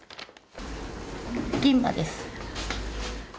銀歯です。